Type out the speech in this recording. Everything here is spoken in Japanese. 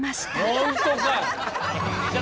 本当か！